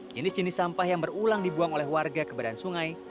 jenis jenis sampah yang berulang dibuang oleh warga ke badan sungai